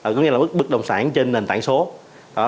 có nghĩa là bất động sản trên nền tảng số